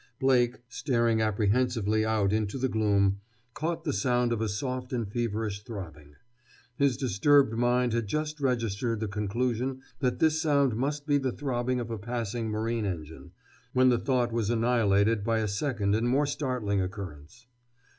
Blake, staring apprehensively out into the gloom, caught the sound of a soft and feverish throbbing. His disturbed mind had just registered the conclusion that this sound must be the throbbing of a passing marine engine, when the thought was annihilated by a second and more startling occurrence.